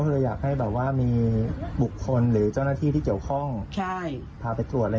เอาไปตรวจเอาไปที่สิ่งไปยากไง